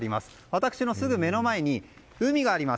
私のすぐ目の前に海があります。